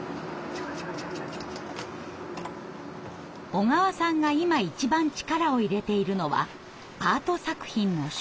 小川さんが今一番力を入れているのはアート作品の触図。